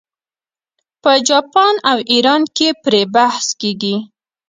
په جاپان او ایران کې پرې بحث کیږي.